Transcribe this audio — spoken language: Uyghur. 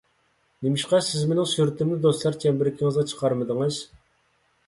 نېمىشقا سىز مىنىڭ سۈرىتىمنى دوستلار چەمبىرىكىڭىزگە چىقارمىدىڭىز؟